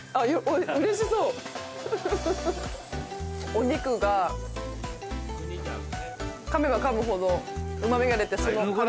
お肉がかめばかむほどうまみが出て。